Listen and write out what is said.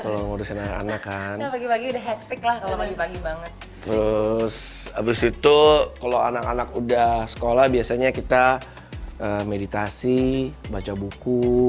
terus abis itu kalau anak anak udah sekolah biasanya kita meditasi baca buku